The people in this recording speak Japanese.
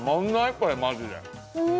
これマジで。